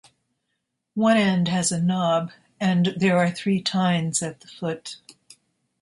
One end has a knob and there are three tines at the foot.